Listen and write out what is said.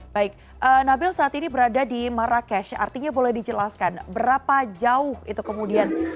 baik nabil saat ini berada di marrakesh artinya boleh dijelaskan berapa jauh itu kemudian